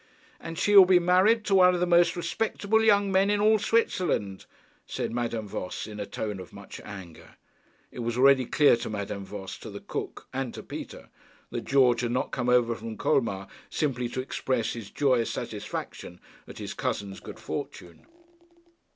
'And she will be married to one of the most respectable young men in all Switzerland,' said Madame Voss in a tone of much anger. It was already quite clear to Madame Voss, to the cook, and to Peter, that George had not come over from Colmar simply to express his joyous satisfaction at his cousin's good fortune.